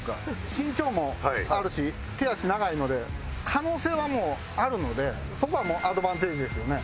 身長もあるし手足長いので可能性はもうあるのでそこはもうアドバンテージですよね。